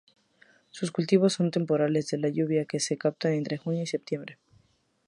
Sus cultivos son temporales, de la lluvia que se capta entre junio y septiembre.